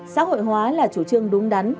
xã hội hóa là chủ trương đúng đắn